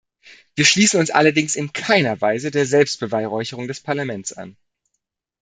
Wir schließen uns allerdings in keiner Weise der Selbstbeweihräucherung des Parlaments an.